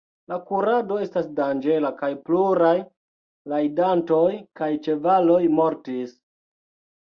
La kurado estas danĝera kaj pluraj rajdantoj kaj ĉevaloj mortis.